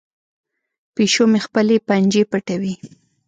پیشو مې خپلې پنجې پټوي.